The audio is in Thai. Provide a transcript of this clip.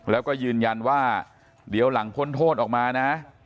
แล้วก็ยืนยันว่าเดี๋ยวหลังพ้นโทษออกมานะ